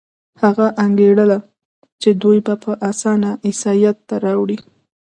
هغه انګېرله چې دوی به په اسانه عیسایت ته واوړي.